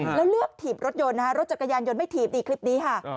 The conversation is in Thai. แล้วเลือกถีบรถยนต์นะคะรถจักรยานยนต์ไม่ถีบดีคลิปนี้ค่ะ